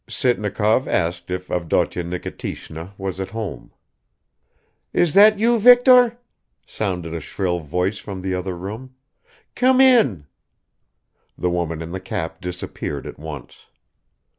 Sitnikov asked if Avdotya Nikitishna was at home. "Is that you, Viktor?" sounded a shrill voice from the other room. "Come in!" The woman in the cap disappeared at once.